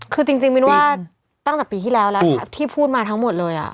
คือจริงมินว่าตั้งแต่ปีที่แล้วแล้วที่พูดมาทั้งหมดเลย